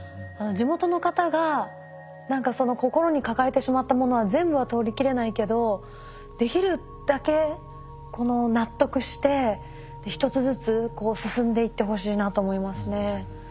地元の方が何かその心に抱えてしまったものは全部は取りきれないけどできるだけ納得して一つずつ進んでいってほしいなと思いますね。